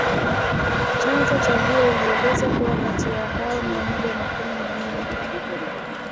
Chanzo cha hiyo ilieleza kuwa kati ya hao mia moja na kumi na nne